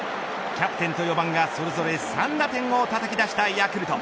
キャプテンと４番がそれぞれ３打点をたたき出したヤクルト。